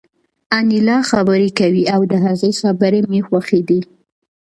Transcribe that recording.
انیلا خبرې کولې او د هغې خبرې مې خوښېدې